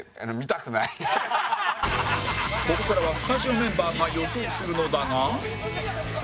ここからはスタジオメンバーが予想するのだが